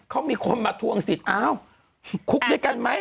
เขามีคนมาทวงสิทธิ์อ้าวคุกด้วยกันไหม